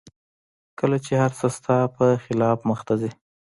کله چې هر څه ستا په خلاف مخته ځي